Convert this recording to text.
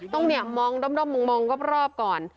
ต้องเนี่ยมองด้อมมองรอบก่อน